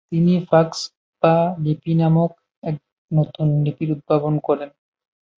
তিনি 'ফাগ্স-পা লিপি নামক এক নতুন লিপির উদ্ভাবন করেন।